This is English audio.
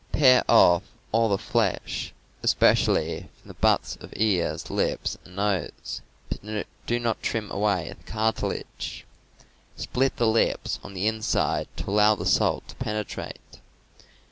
Pare off all the flesh, especially from the butts of ears, lips and nose, but do not trim away the cartilage. Split the lips on the inside to allow the salt to penetrate.